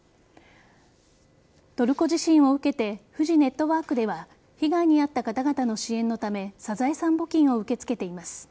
トルコ地震を受けてフジネットワークでは被害に遭った方々の支援のためサザエさん募金を受け付けています。